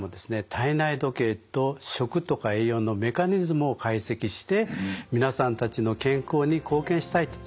体内時計と食とか栄養のメカニズムを解析して皆さんたちの健康に貢献したいとそんなふうに考えております。